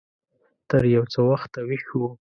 تر يو څه وخته ويښ و.